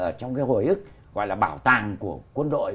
ở trong cái hồi ức gọi là bảo tàng của quân đội